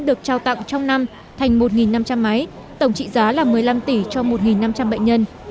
được trao tặng trong năm thành một năm trăm linh máy tổng trị giá là một mươi năm tỷ cho một năm trăm linh bệnh nhân